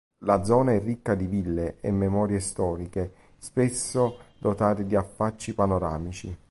La zona è ricca di ville e memorie storiche, spesso dotate di affacci panoramici.